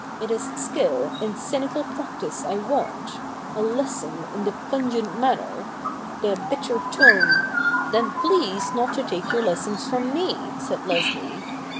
It is skill in cynical practice I want — a lesson in the pungent manner — the bitter tone '' Then please not to take your lessons from me,' said Leslie.